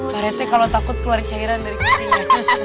pak rete kalau takut keluar cairan dari kakinya